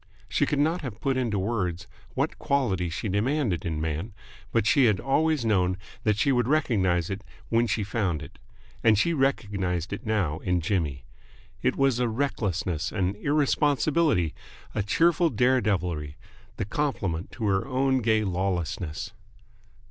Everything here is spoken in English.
She could not have put into words what quality she demanded in man, but she had always known that she would recognise it when she found it: and she recognised it now in Jimmy. It was a recklessness, an irresponsibility, a cheerful dare devilry, the complement to her own gay lawlessness.